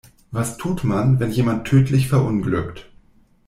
Was tut man, wenn jemand tödlich verunglückt?